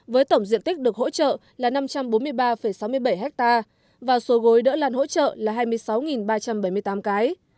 với tổng diện tích được hỗ trợ là năm trăm bốn mươi ba sáu mươi bảy ha và số gối đỡ lăn hỗ trợ là hai mươi sáu ba trăm bảy mươi tám cái